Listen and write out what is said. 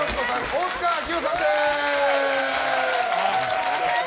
大塚明夫さんです！